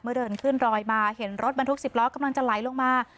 เดินขึ้นรอยมาเห็นรถบรรทุก๑๐ล้อกำลังจะไหลลงมา